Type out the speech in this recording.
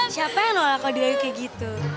siapa yang nolak kalo diri lu kayak gitu